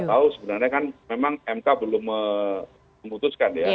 kita tahu sebenarnya kan memang mk belum memutuskan ya